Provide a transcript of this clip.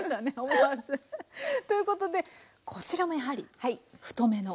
思わず。ということでこちらもやはり太めの。